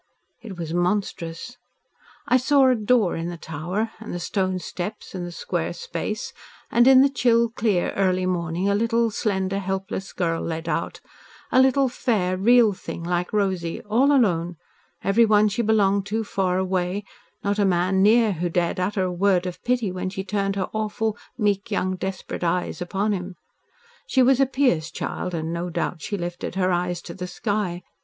It was monstrous. I saw a door in the Tower and the stone steps, and the square space, and in the chill clear, early morning a little slender, helpless girl led out, a little, fair, real thing like Rosy, all alone everyone she belonged to far away, not a man near who dared utter a word of pity when she turned her awful, meek, young, desperate eyes upon him. She was a pious child, and, no doubt, she lifted her eyes to the sky.